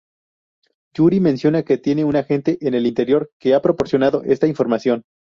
Yuri menciona que tiene un agente en el interior que ha proporcionado esta información.